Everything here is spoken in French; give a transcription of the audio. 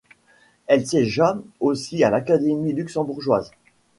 Il siégea aussi à l'Académie luxembourgeoise.